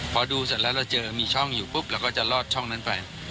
พอดูเสร็จแล้วเราเจอมีช่องอยู่ปุ๊บเราก็จะลอดช่องนั้นไป